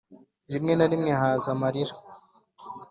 rimwe na rimwe haza amarira,